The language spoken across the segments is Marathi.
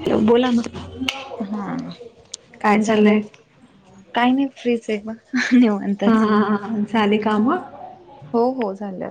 हॅलो बोला मग हा. काय झालं चालंय? काही नाही फ्रीच आहे म- हा निवांताच हा हा झाले काम हो हो झालं.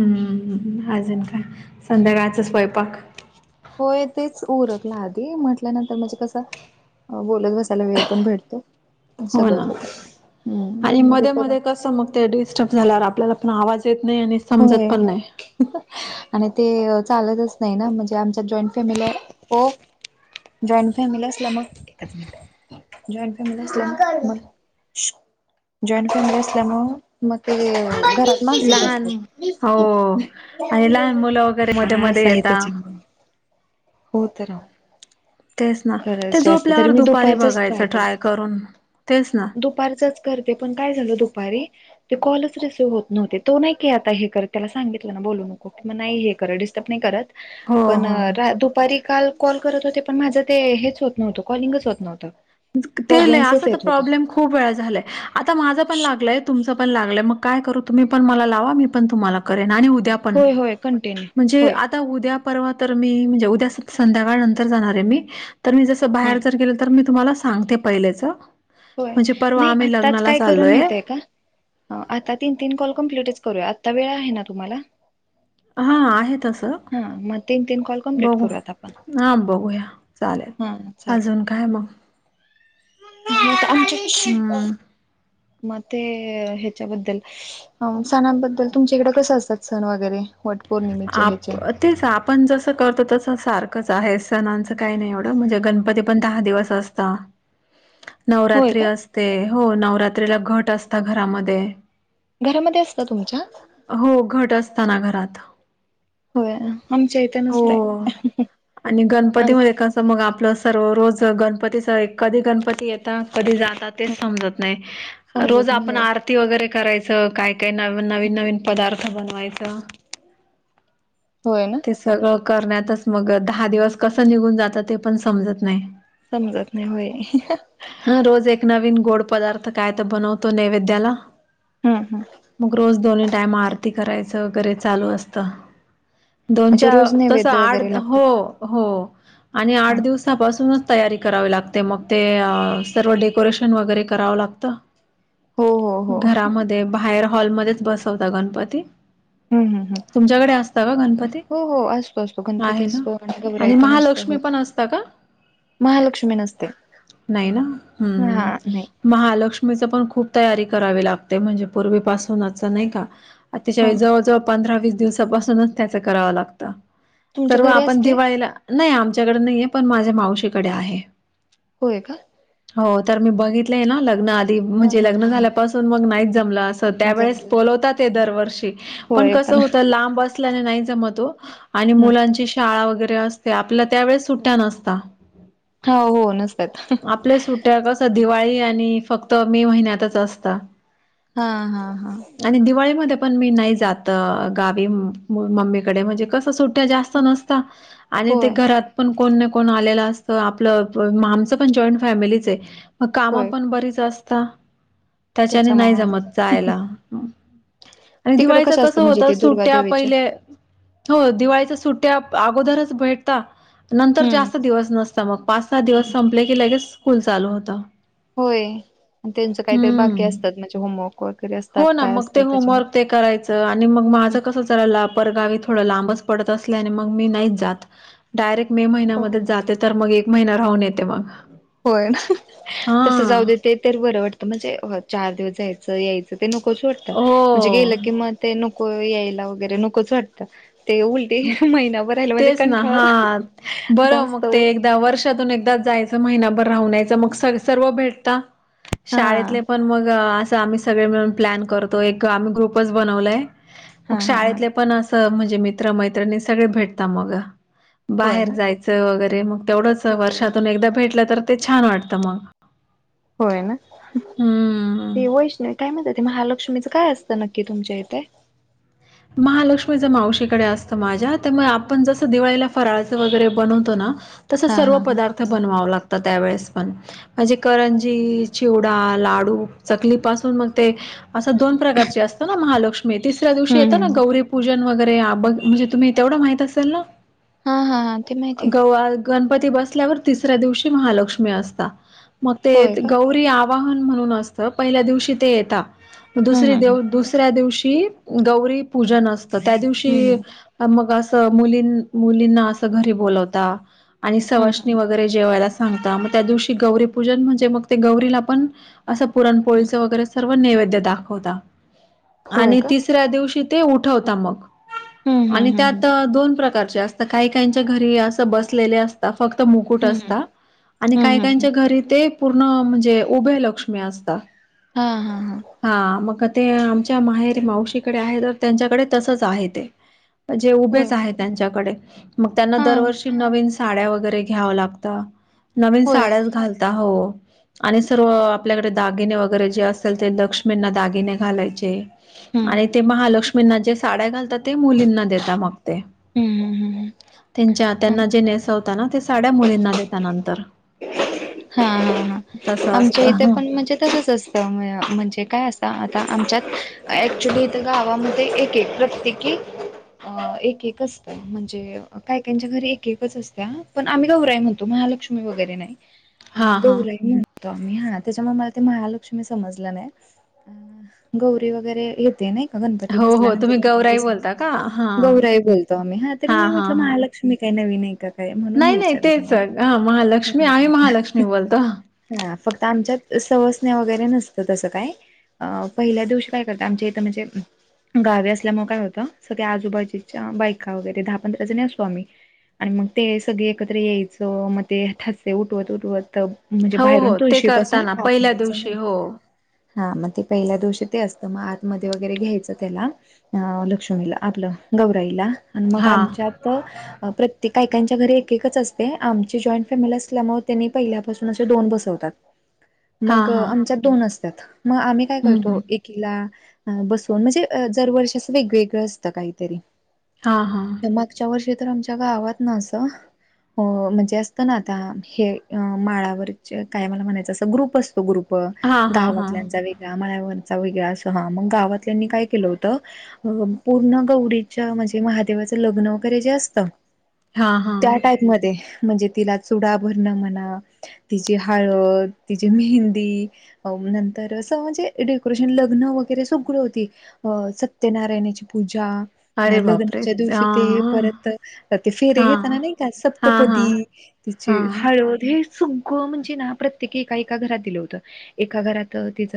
हम्म्म अजून काय संध्याकाळचं स्वयंपाक. होय तेच उरकलं आधी म्हटल्यानंतर म्हणजे कसं. बोलत बसायला वेळ पण भेटतो. हो सगळंच ना होत आणि हम्म मग ते मध्ये करून मध्ये कस मग ते डिस्टर्ब झाल्यावर आपल्याला पण आवाज येत नाही आणि समजत होय पण नाही. आणि ते चालतच नाही ना म्हणजे आमच्या जॉईंट फॅमिलीला हो. जॉईंट फॅमिली असला मग एच मिनिट जॉईंट फॅमिली अस मग म जॉईंट फॅमिली असल्यामुळे मग ते घरात लहान मासेत. हो आणि लहान मुलं वगैरे मध्ये हा मध्ये असं आहे येतात. त्याच्यामुळे हो तररा तेच ना ते खरंच जास्त तरी झोपल्यावर मी दुपारी दुपारचच ट्राय बघायचं करते करून तेच ना दुपारचच. पण का दुपारी कॉलचसवत न्ह तो नाही काय आता परत त्याला सांगितलं. बोलू नको कि नाही हे कर डिस्टर्ब नाही करत. हो पण हो दुपारी काल कॉल करत होते पण माझा ते हेच होत नव्हतं कॉलिंगच होत नव्हतं. ते अस प्रॉब्लेम्सच तर येत होते प्रॉब्लेम खूप वेळा झालाय आता माझं पण लागलय तुमच पण लागल. ग काय करू तुम्ही पण मला लावा मी पण तुम्हाला करेल आणि द्यापण होय होय कंटिन्यू म्हणे होय आता उद्या परवा पण मी म्हणजे उद्या संध्याकाळ नंतर जाणार मी तर मी जस हम्म बाहेर जर गेल तर मी तुमला सांगते पहिल्याचं. होय नाही आताच काय करून माहिते का आता तीन तीन कॉल कमप्टिट करूया, आता वेळ आहे ना तुम्हाला? हा आहे तसं हा मग तीन तीन कॉल कंप्लीट बघू! करूयात आपण हा बघूया. चालेल, हा चालेल अजून काय मग? आमच्या हम्म [unintelligible] मग ते हेच्याबद्दल, सणांबद्दल तुमच्या इकडे कसं असतात सण वगैरे, वट पौर्णिमेचे आप ह्याचे अं, तेच आपण जस करतो तसं. सारखंच आहे. सणांचं काही नाही एवढं म्हणजे गणपती पण दहा दिवस असता. होय नवरात्री का असते हो, नवरात्रीला घट असता घरामध्ये. घरामध्ये असतं तुमच्या, असतनां घरात होय, आमच्या इथं हो नसतयं. आणि गणपतीमध्ये कसं, मग आपलं सर्व रोज गणपतीचं कधी गणपती येता. कधी जातात तेच समजत नाही, समजत रोज नाही आपण होय आरती वगैरे करायचं काय काय नव नवीन नवीन पदार्थ बनवायचं. होय ना ते सगळं करण्यातच मग दहा दिवस कसं निघून जाता ते पण समजत नाही. समजत नाही होय हा हा रोज एक नवीन गोड पदार्थ. काय तर बनवतो नैवेद्याला, हा मग रोज दोन, टायम आरती करायचं वगैरे चालू असतं. म्हणजे दोनच्या रोज तस नैवेद्य वगैरे आठ लागतो हो हो, आणि हा आठ दिवसांपासूनच तयारी, करावी लागते, मग ते सर्व डेकोरेशन वगैरे करावं लागतं. हो हो हो घरामध्ये बाहेर हॉलमध्येच बसवता गणपती. हम्म हम्म हम्म तुमच्याकडे असता का गणपती? हो हो असतो असतो गणपती आहे ना, असतो गौराई आणि पण असते महालक्ष्मी होय पण असता का? महालक्ष्मी नसते नाही ना, हम्म हा नाही हम्म महालक्ष्मीच पण खूप, खूप तयारी करावी लागते. म्हणजे पूर्वीपासूनच नाही का, तिच्या हा जवळजवळ पंधरा वीस दिवसापासूनचं त्याचं करावं लागत. तुमच्या तर घरी आपण असते दिवाळीला नाही आमच्या कडे नाहीये पण माझ्या मावशीकडे आहे. होय का, हो, तर मी बघितलंय ना लग्ना हा म्हणजे हा लग्न हा हा झाल्यापासून मग नाहीच, जमलं अस त्यावेेळेस जमलं बोलवतात ते दरवर्षी. पण कसं होत लांब असल्याने नाही जमत हो, आणि हम्म मुलांची शाळा वगैरे असतं, आपल्या त्या वेळेस सुट्या नसता. हो हो नस आपल्या सुट्यां कसं दिवाळी आणि फक्त मे महिन्यातच असता. हा हा हा आणि दिवाळी मध्ये पण मी नाही जात अ, गावी मम्मीकडे म्हणजे कसं सुट ट्या जास्त नसता, आणि ते होय घरात पण कोण ना कोण आलेलं असतं आपले माणस पण जॉईंट फॅमिलीच ये, मग कामं होय पण बरीच असता. त्यांच्याने नाही त्याच्यामुळं जमत जायला. आणि तिकडं दिवाळीच असतं कसं म्हणजे होतं ते दुर्गा सुट्या देवीचे पहिले हो, दिवाळीचं ट्या अगोदरच भेटता, नंतर हम्म जास्त दिवस नसता मग पाच सहा दिवस संपले फोन चालू होता. होय? त्यांचं काहीतरी बाकी असतात. म्हणजे होमवर्क वगैरे असतात हो ना काय मग ते असते होमवर्क त्याच्यामध्ये, ते करायचं आणि मग माझं कसं जरा लापरगावी थोडं लांबचं पडत असल्याने मग मी नाहीच जात, डायरेक्ट मे महिन्या हो मध्येचं जाते, तर मग महिना राहून येते मग. होय ना, तसं जाऊ हा दे ते तर बरं वाटतं, म्हणजे चार दिवस जायचं यायचं ते नकोच वाटतं, म्हणजे गेलं कि हो मग ते नको यायला वगैरे नकोच वाटतं. ते उलटी महिनाभर राहिलं म्हणजे तेच ना कंठाळ हां, बरं जास्त मग ते एकदा वर्षातून एकदाचं जायचं महिनाभर राहून यायचं मग सर सर्व भेटता हा शाळेतले पण मग असं. तिथे आम्ही सगळे मिळून प्लॅन करतोय. काम ग्रुपच बनवलय हा मग हा हा शाळेतले पण सर्व म्हणजे मित्र मैत्रिणी, सगळे भेटता मग होय बाहेर ना जायचं वगैरे मग तेवढंच वर्षातून एकदा भेटलं तर ते छान वाटत मग. होय ना हम्म ते वैष्णवी काय म्हणत्यात ते महालक्ष्मीचं काय असत. त नक्की तुमच्या इथे, महालक्ष्मीचं मावशीकडे असतं. माझ्या त्यामुळे आपण जसं दिवाळीला फराळचं वगैरे बनवतो ना तसंच हा सर्व हा हा. पदार्थ बनवाव लागतात. त्यावेळेस पण म्हणजे करंजी, चिवडा चिवडा, लाडू, चकली पासून मग ते अस दोन प्रकार असत. ना महालक्ष्मी ते येत हम्म ना हम्म गौरीपूजन वगैरे म्हणजे तुम्ही तेवढं माहित असेल. ना हा हा ते माहिती आहे. मग ती बसल्यावर तिसऱ्या दिवशी महालक्ष्मी असता. मग ते होय का गौरी आवाहन म्हणून असतं. पहिल्या दिवशी ते येता मग हम्म हम्म दुसऱ्या दिवशी गौरी पूजन असतं. त्या दिवशी मग असं मुली मुलींना असं घरी बोलवता आणि हम्म हम्म सवाष्णी हम्म वगैरे जेवायला सांगता मग त्या दिवशी गौरीपूजन म्हणजे मग ते गौरीला पण असं हम्म पुरणपोळीचं वगैरे सर्व नैवेद्य दाखवता. होय, आणि का तिसऱ्या दिवशी ते उठवता मग हम्म आणि हम्म हम्म त्यात दोन प्रकार जास्त काही काहीच्या घरी असं बसलेले असत. फक्त मुकुट हम्म असतं. आणि काही हम्म हम्म हम्म काहींच्या घरी ते पूर्ण म्हणजे उभय लक्ष्मी असतात. हा हा हा ते आमच्या माहेरी मावशीकडे आहे. तर त्यांच्याकडे तसच आहे. ते म्हणजे उभेच होय का? आहे. त्यांच्याकडे मग त्यांना हा दरवर्षी नवीन साड्या वगैरे घ्याव लागत. नवीन होय साड्याच घालता हो. आणि सर्व आपल्याकडे दागिने वगैरे जे असेल. ते लक्ष्मींना दागिने घालायचे. हम्म आणि ते महालक्ष्मीना जे साड्या घालतात. ते मुलींना देता मग ते हम्म हम्म त्यांच्या त्यांना हम्म जे नेसावता असं. त्यांना ते साड्या मुलींना देता. नंतर हा हा हा तसं आमच्या इथे, असतं. पण म्हणजे तसंच असतं. म्हणजे काय असतं. आता आमच्यात ॲक्च्युली इथं गावामध्ये एक एक प्रत्येकी अ एक एक असत म्हणजे कायकच्या घरी एक एकच असत्या पण आम्ही गौराइ म्हणतो मा महालक्ष्मी वगैरे नाही हा ह हा गौराई म्हणतो आम्ही ह त्याच्यामुळे ते महालक्ष्मी समजलं नाही अ गौरी वगैरे येते नाही. गणपती हो हो बसल्यानंतर तुम्ही दोन तीन गौराई दिवसांनी बोलता का हा गौराई बोलतो आम्ही हा तरी मी हा म्हटलं हा महालक्ष्मी काय नवीन आहे. का काय म्हणून मी नाही नाही विचारलं तेच तुम्हाला हा महालक्ष्मी आहे. महालक्ष्मी हा बोलतो. हा फक्त आमच्यात स वगैरे नसत तसं काय आ पहिल्या दिवशी काय करतं आमच्या इथ म्हणजे गावी असल्यामुळे काय होतं. सगळ्या आजूबाजूच्या बायका वगैरे दहा पंधरा जणी असतो. आम्ही आणि मग ते सगळे एकत्र यायचं मग ते ठशे उठवत उठवत. म्हणजे हो बाहेरून हो ते तुळशी पासून करताना आत पहिल्या दिवशी यायचं, हो हा मग ते पहिल्या दिवशी ते असतं. मग आतमध्ये वगैरे घ्यायचं त्याला अ लक्ष्मीला आपलं गौराईला आणि मग, हा आमच्यात अ प्रत्येक त्यांच्या घरी एक एकच असते. आमची जॉईंट फॅमिली असल्यामुळे त्यांनी पहिल्यापासून असे दोन बसवतात. हा मग हा आमच्या दोन असतात मग आम्ही काय हम्म करतो. हम्म एकीला बसवून, म्हणजे जरवर्षी असं वेगवेगळं असतं. काहीतरी हा हा मागच्या वर्षी तर आमच्या गावात ना असं अ म्हणजे असत. ना आता हे, अ माळावरचे काय मला म्हणायचं. असं ग्रुप असतो. ग्रुप हा हा हा गावातल्याचा वेगळा माळावर. ह्याचं वेगळं असं हं मग गावात काय केलं होत. पूर्ण गौरीच्या म्हणजे महादेवा लग्न वैगरे जे असत... हा हा त्या टाईप मधे, म्हणजे तिला चुडा भरणा म्हणा ह तिची हळद तिची मेहंदी नंतर अस म्हणजे डेकोरेशन लग्न वै वगैरे सगळ होती अ सत्यनारायणाची पूजा अरे बापरे लग्नाच्या दिवशी हा ते परत ते फेरे हा घताना नाही का हा हा सप्तपदी ची हा हळद. हे सगळं म्हणजे ना प्रत्येकी एका एका घरात दिलं होत एका घरात तिच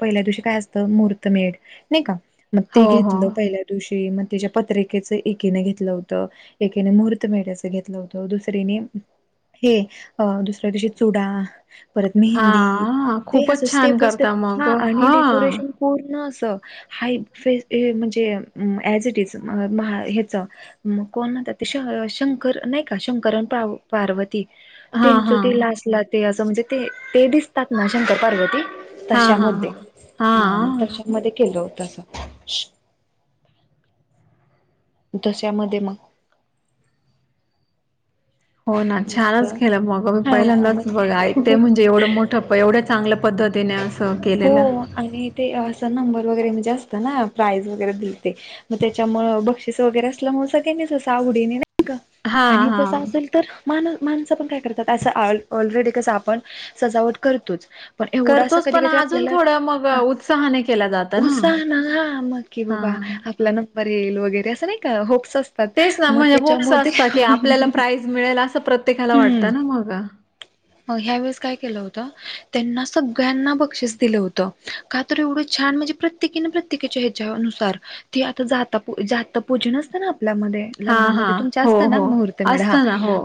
पहिल्या दिवशी म काय असतं मुहुर्त मेढ नाही का म ते हो हो घेतलं पहिल्या दिवशी. त्याच्या पत्रिकेच एकीने घेतलं होतं एकेने मुहूर्त मेढायचं घेतलं होतं दुसरीेने हे अ दुसऱ्या दिवशी चुडा. परत मेहंदी हां, ते अस खूपच स्टेप छान बाय स्टेप करता हा मग आणि हां. डेकोरेशन पूर्ण अस त हाय फे हे म्हणजे एज इट इज. ते शंकर नाही का शंकरन पार्वती हां, त्याच ते हां. लाटला ते असं म्हणजे ते ते दिसतात ना शंकर पार्वती. हां, हां, तशामध्ये हां. हा म हां, तशामध्ये केलो होत. तसं. तशामध्ये मग. हो ना छानच केलं मग मी हा पहिल्यांदाच मग बघा ऐकते हो. म्हणजे एवढं मोठं एवढ्या चांगल्या पद्धत हो आणि ते असा नंबर वगैरे म्हणजे असते ना प्राईझ वगैरे त्याच्यामुळे बक्षीस वगैरे असल्यामुळे सगळ्यांनी आवडी हां, आणि जस हां. असेल तर मा माणसं पण काय करतात अस ऑलरेडी कस आपण सजावट करतोच पण एवढं अस करतोच कधी पण कधी अजून आपल्याला थोडं मग हा अ, उत्साहाने केला जातं उत्साह ना हा मग की बाबा हां. आपला नंबर येईल वगैरे अस नाही का असतात. तेच ना मग म्हणजे होपस त्याच्यामध्ये असत की आपल्याला प्राईज मिळेल. असं प्रत्येकाला वाटत ना मग ह्या वेळेस काय केलं होत त्यांना सगळ्यांना बक्षीस दिलं होत का तर एवढं छान म्हणजे प्रत्येकिन प्रत्ये्किच्या हवेच्यानुसार ती आता जाता पुजन असतं ना. हां, लग्नामध्ये हां. हो, तुमच्यास्त ना हो. मुहूर्त मेढ हा. असतं ना हो.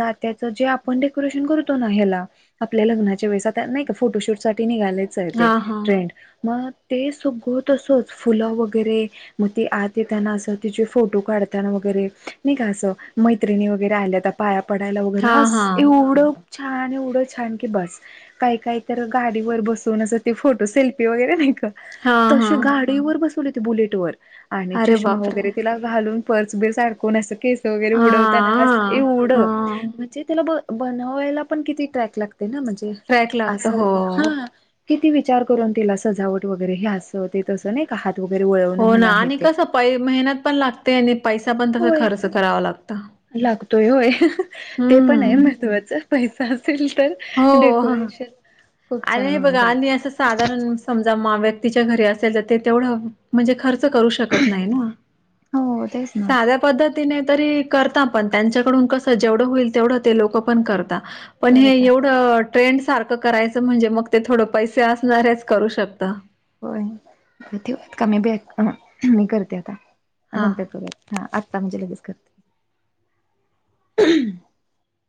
आताच जे आपण डेकोरेशन करतो ना हेला आपल्या लग्च्या वेळेस नाही का फोटो शूटसाठी तिनि घालेच आहे ते हां, हां. ट्रेंड मग ते सगळं तसंच फुलं वगैरे मग ती आत येताना असं तिचे फोटो काढताना वै गेरे नाही का असं मैत्रिणी वगैरे आल्या तर पाया पडायला वगैरे हां, हास हां. एवढं छान एवढं छान की बस काही काही तर गाडीवर बसून असं ते फोटो सेल्फी वगैरे नाही हां, तसे हां. गाडीवर बसवले होते बुलेट वर आणि अरे चष्मा बापरे! वगैरे तिला घालून पर्स बिर्स आडकुन अस केस वगैरे उडवताना असं हां, येवड हां. म्हणजे त्याला बनवायला पण किती ट्रॅक लागते ना म्हणजे ट्रॅक लागतं असं हो. ह. किती विचार करून तिला सजावट वगैरे हे असं ते तसं नाही का हात वगैरे वळवणं हो ना म्हणा हे आणि ते कसं पैसे मेहनत पण लागते आणि पैसा पण तसा होय खर्च करावा लागत. लागतोय होय. ते पण आहे महत्वाचं पैसा असेल तर हो, हां. डेकोरेशन. खूप छान आणि होऊन बघा आणि जातं असं साधारण समजा मा व्यक् तीच्या घरी असेल तर तेवढं म्हणजे खर्च तर करू शकत नाही ना, हो तेच ना साध्या पध्दत तीनं नाही तरी करता पण त्यांच्याकडून कस जेवढं होईल तेवढं ते लोक पण करता. पण हे करतात एवढं ट्रेंड सारखं करायच म्हणजे मग ते थोडं पैसे असणारेच करू शकत. होय [unintelligible] मी करते आता. हां. नंतर करत हा आत्ता म्हणजे लगेच करते.